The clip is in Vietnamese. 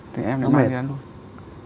thế em nó mang đi ăn thôi